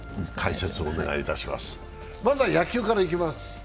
まずは野球からいきます。